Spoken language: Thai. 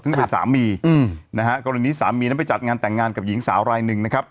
ซึ่งเป็นสามีอืมนะฮะกรณีสามีนั้นไปจัดงานแต่งงานกับหญิงสาวรายหนึ่งนะครับ